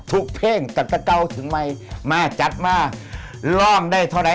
ทุกเพลงเคยตำกัปตัวเมื่อกี้